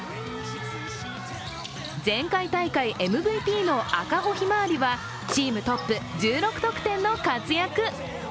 前回大会ＭＶＰの赤穂ひまわりはチームトップ、１６得点の活躍。